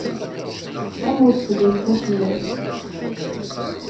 Am udfel yessa fell-as.